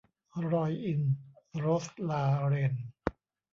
รอยอินทร์ - โรสลาเรน